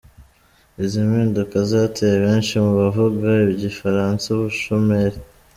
Izi mpinduka zateye benshi mu bavuga igifaransa ubushomeri.